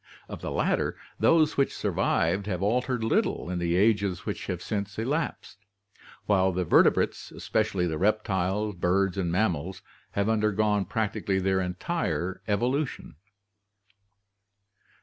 Of the latter, those which survived have altered little in the ages which have since elapsed, while the vertebrates, especially the reptiles, birds, and mammals, have undergone practically their entire evolution.